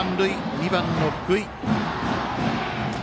２番の福井。